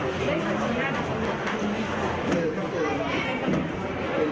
ยังไม่มีฝ่ายกล้องในมือครับแต่ว่าก็บอกว่ายังไม่มีฝ่ายกล้อง